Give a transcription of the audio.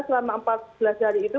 selama empat belas hari itu